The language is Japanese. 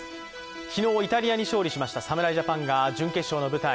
昨日イタリアに勝利しました侍ジャパンが準決勝の舞台